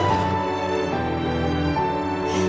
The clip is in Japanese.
えっ。